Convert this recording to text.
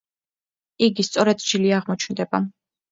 იგი სწორედ ჯილი აღმოჩნდება.